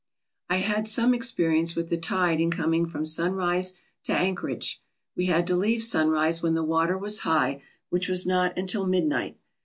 I had some experience with the tide in coming from Sunrise to Anchorage. We had to leave Sunrise when the water was high, which was not until midnight.